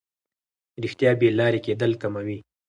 رښتیا بې لارې کېدل کموي.